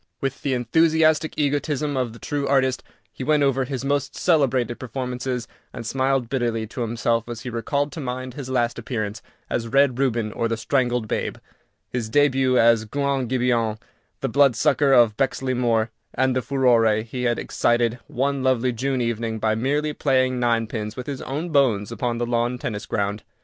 With the enthusiastic egotism of the true artist, he went over his most celebrated performances, and smiled bitterly to himself as he recalled to mind his last appearance as "Red Reuben, or the Strangled Babe," his début as "Guant Gibeon, the Blood sucker of Bexley Moor," and the furore he had excited one lovely June evening by merely playing ninepins with his own bones upon the lawn tennis ground.